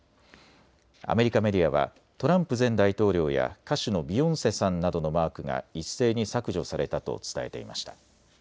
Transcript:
アメリカメディアはトランプ前大統領や歌手のビヨンセさんなどのマークが一斉に削除されたと伝えていました。